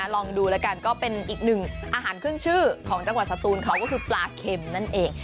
ลองดูแล้วกันก็เป็นอีกหนึ่งอาหารขึ้นชื่อของจังหวัดสตูนเขาก็คือปลาเข็มนั่นเอง